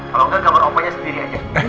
kalau nggak gambar opahnya sendiri aja